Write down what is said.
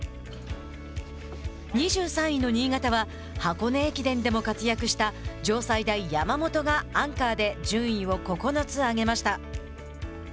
２３位の新潟は箱根駅伝でも活躍した城西大・山本がアンカーで順位を９つ上げました。